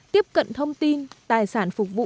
tiếp cận thông tin tài sản phục vụ